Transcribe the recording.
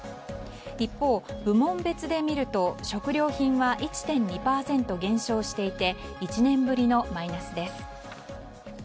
一方、部門別で見ると食料品は１．２％減少していて１年ぶりのマイナスです。